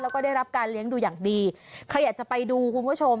แล้วก็ได้รับการเลี้ยงดูอย่างดีใครอยากจะไปดูคุณผู้ชม